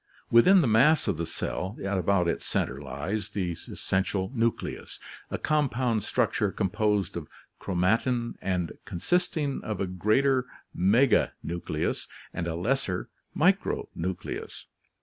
Within the mass of the cell at about its center lies the essential nucleus, a compound structure composed of chromatin and con sisting of a greater meganucleus and a lesser micronucleus.